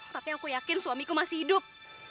tapi aku yakin suamiku masih hidup